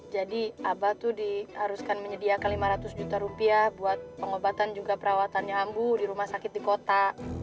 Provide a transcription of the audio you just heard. jadi abah tuh diharuskan menyediakan lima ratus juta rupiah buat pengobatan juga perawatannya ambu di rumah sakit di kota